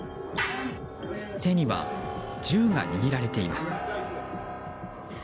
手には銃が握られています。